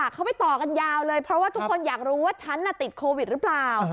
เขาไปต่อกันยาวเลยเพราะว่าทุกคนอยากรู้ว่าฉันติดโควิดหรือเปล่า